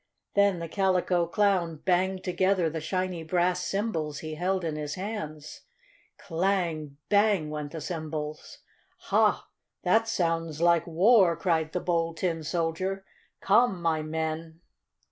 Then the Calico Clown banged together the shiny brass cymbals he held in his hands. "Clang! Bang!" went the cymbals. "Ha! that sounds like war," cried the Bold Tin Soldier. "Come, my men!